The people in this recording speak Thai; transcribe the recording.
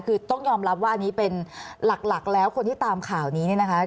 คือต้องยอมรับว่าอันนี้เป็นหลักแล้วคนที่ตามข่าวนี้เนี่ยนะคะ